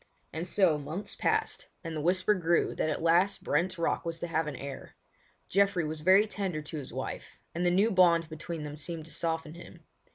And so months passed and the whisper grew that at last Brent's Rock was to have an heir. Geoffrey was very tender to his wife, and the new bond between them seemed to soften him.